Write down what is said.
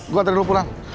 gue antar dulu pulang